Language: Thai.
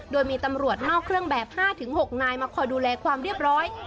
โดยมีตำรวจนอกเครื่องแบบ๕๖นายมาคอยดูแลความเรียบร้อย